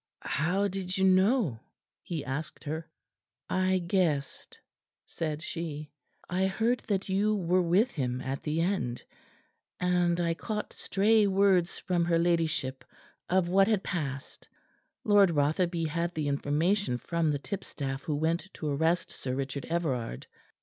"How did you know?" he asked her. "I guessed," said she. "I heard that you were with him at the end, and I caught stray words from her ladyship of what had passed. Lord Rotherby had the information from the tipstaff who went to arrest Sir Richard Everard.